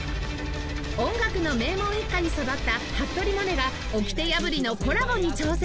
音楽の名門一家に育った服部百音がおきて破りのコラボに挑戦！